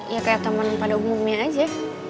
ya kayak teman pada umumnya aja